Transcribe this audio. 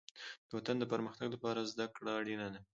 د وطن د پرمختګ لپاره زدهکړه اړینه ده.